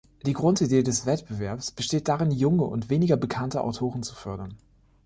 Die Grundidee des Wettbewerbs besteht darin, junge und weniger bekannte Autoren zu fördern.